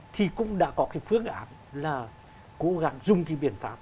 thì cũng đã có cái phương án là cố gắng dùng cái biện pháp